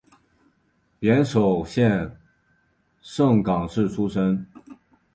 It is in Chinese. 岩手县盛冈市出身。